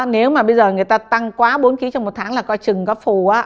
nếu mà bây giờ người ta tăng quá bốn ký trong một tháng là có chừng có phù